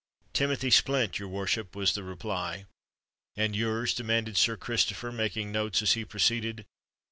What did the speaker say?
"Timothy Splint, your worship," was the reply. "And your's?" demanded Sir Christopher, making notes as he proceeded.